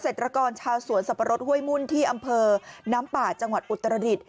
ตรกรชาวสวนสับปะรดห้วยมุ่นที่อำเภอน้ำป่าจังหวัดอุตรดิษฐ